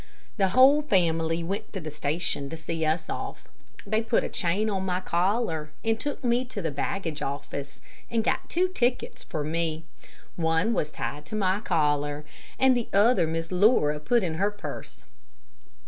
The whole family went to the station to see us off. They put a chain on my collar and took me to the baggage office and got two tickets for me. One was tied to my collar and the other Miss Laura put in her purse.